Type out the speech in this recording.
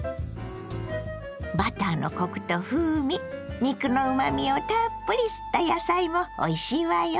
バターのコクと風味肉のうまみをたっぷり吸った野菜もおいしいわよ。